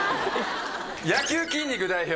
野球筋肉代表